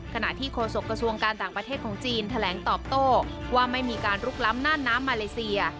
ขณะที่โฆษกระทรวงการต่างประเทศของจีนแถลงตอบโต้ว่าไม่มีการลุกล้ำน่านน้ำมาเลเซีย